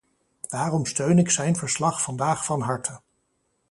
Daarom steun ik zijn verslag vandaag van harte.